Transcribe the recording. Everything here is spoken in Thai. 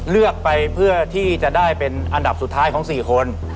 เลือกไปเพื่อที่จะได้เป็นอันดับสุดท้ายของ๔คน